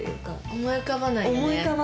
思い浮かばないの。